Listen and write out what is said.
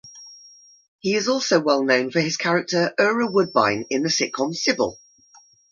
He is also well known for his character Ira Woodbine in the sitcom "Cybill".